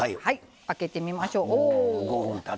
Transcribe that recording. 開けてみましょう。